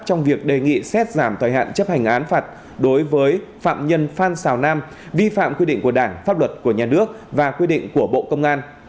trong việc đề nghị xét giảm thời hạn chấp hành án phạt đối với phạm nhân phan xào nam vi phạm quy định của đảng pháp luật của nhà nước và quy định của bộ công an